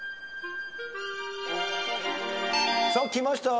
さあきました。